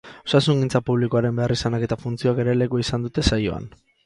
Osasungintza publikoaren beharrizanak eta funtzioak ere lekua izango dute saioan.